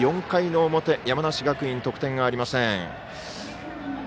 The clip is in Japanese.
４回の表山梨学院、得点がありません。